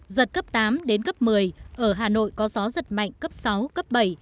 giật cấp tám đến cấp một mươi ở hà nội có gió giật mạnh cấp sáu cấp bảy